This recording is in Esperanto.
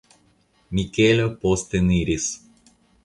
Mikelo posteniris.